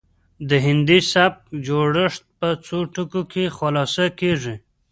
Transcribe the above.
د هندي سبک جوړښت په څو ټکو کې خلاصه کیږي